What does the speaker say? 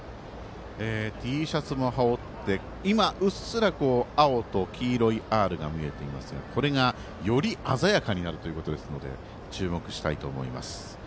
Ｔシャツも羽織って今、うっすらと青と黄色い「Ｒ」が見えていますがこれが、より鮮やかになるということですので注目したいと思います。